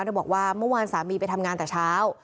บอกว่าเมื่อวานสามีไปทำงานแต่เช้า